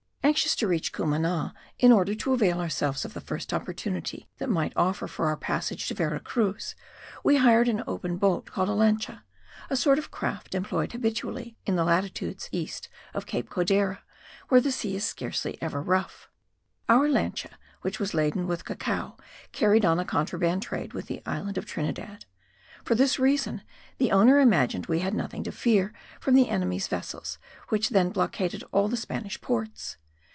Anxious to reach Cumana, in order to avail ourselves of the first opportunity that might offer for our passage to Vera Cruz, we hired an open boat called a lancha, a sort of craft employed habitually in the latitudes east of Cape Codera where the sea is scarcely ever rough. Our lancha, which was laden with cacao, carried on a contraband trade with the island of Trinidad. For this reason the owner imagined we had nothing to fear from the enemy's vessels, which then blockaded all the Spanish ports.